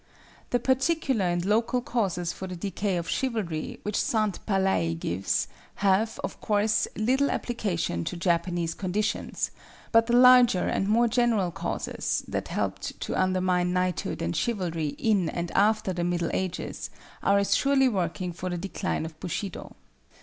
The particular and local causes for the decay of Chivalry which St. Palaye gives, have, of course, little application to Japanese conditions; but the larger and more general causes that helped to undermine Knighthood and Chivalry in and after the Middle Ages are as surely working for the decline of Bushido.